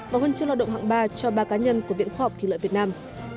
và hân chương lo động hạng ba cho ba cá nhân của viện khoa học thủy lợi việt nam